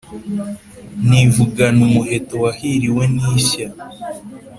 Nivugana umuheto wahiriwe n’ishya